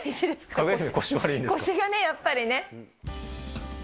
腰がね、やっぱりね。